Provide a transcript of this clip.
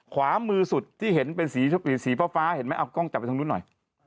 ขวามือสุดที่เห็นเป็นสีฟ้าเห็นไหมเอากล้องจับไปทางนู้นหน่อย